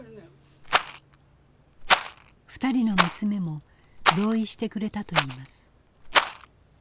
２人の娘も同意してくれたといいます。